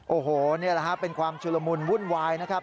โอ้โหนี่แหละฮะเป็นความชุลมุนวุ่นวายนะครับ